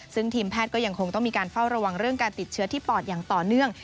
ซึ่งทีมแพทย์ก็ยังคงต้องมีการเฝ้าระวังเรื่องการติดเชื้อที่ปอดอย่างต่อเนื่อง